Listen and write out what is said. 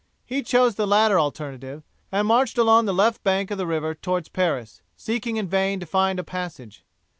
He chose the latter alternative, and marched along the left bank of the river towards Paris, seeking in vain to find a passage.